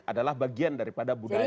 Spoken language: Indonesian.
adalah bagian daripada budaya